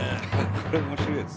これ面白いやつ。